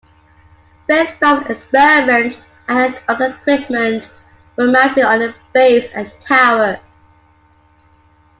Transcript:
Spacecraft experiments and other equipment were mounted on the base and tower.